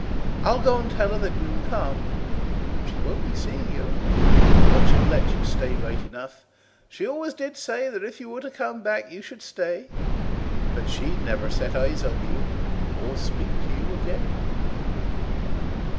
I'll go and tell her that you'm come; she won't be seeing you, but she'll let you stay right enough. She always did say if you was to come back you should stay, but she'd never set eyes on you or speak to you again."